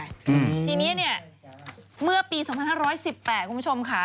ทีนี้เนี่ยเมื่อปี๒๕๑๘คุณผู้ชมค่ะ